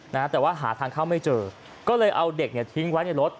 นะฮะแต่ว่าหาทางเข้าไม่เจอก็เลยเอาเด็กเนี่ยทิ้งไว้ในรถ